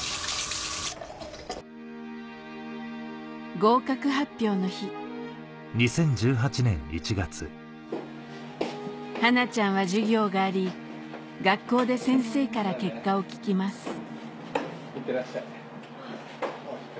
合格発表の日はなちゃんは授業があり学校で先生から結果を聞きますいってらっしゃい。